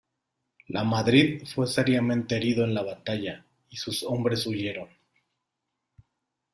Lamadrid fue seriamente herido en la batalla, y sus hombres huyeron.